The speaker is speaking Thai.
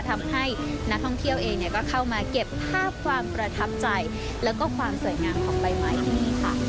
ทำให้นักท่องเที่ยวเองก็เข้ามาเก็บภาพความประทับใจแล้วก็ความสวยงามของใบไม้ที่นี่ค่ะ